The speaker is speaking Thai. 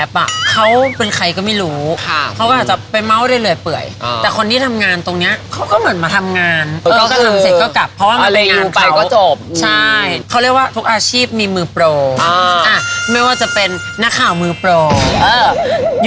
พี่ตูนเขาจะเป็นไปเที่ยวแต่บาร์เกย์